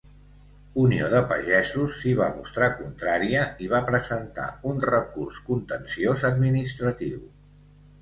Unió de Pagesos s'hi va mostrar contrària i va presentar un recurs contenciós administratiu.